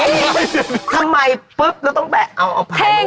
ทำไมปุ๊บแล้วต้องแปะเอาออกไป